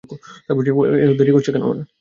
এত দেরি করছে কেন?